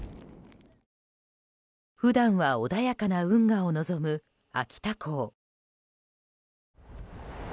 普段は穏やかな運河を望む秋田港。